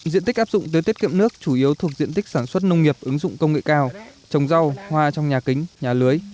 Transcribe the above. diện tích áp dụng tưới tiết kiệm nước chủ yếu thuộc diện tích sản xuất nông nghiệp ứng dụng công nghệ cao trồng rau hoa trong nhà kính nhà lưới